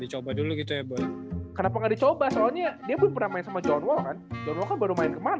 dicoba dulu gitu ya kenapa nggak dicoba soalnya dia pernah main sama john wall kan baru main kemarin